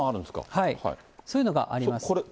そういうのがあります。